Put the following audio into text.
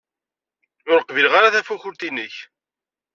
Ur qbileɣ ara tafakult-nnek.